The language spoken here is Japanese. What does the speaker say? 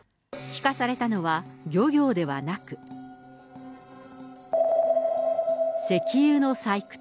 聞かされたのは漁業ではなく、石油の採掘。